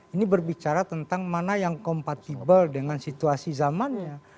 ini berbicara tentang mana yang kompatibel dengan situasi zamannya